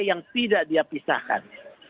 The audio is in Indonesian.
yang tidak dia pisahkan